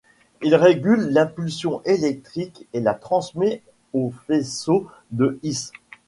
Il régule l'impulsion électrique et la transmet au faisceau de His.